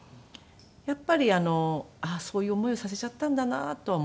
やっぱりそういう思いをさせちゃったんだなとは思いました。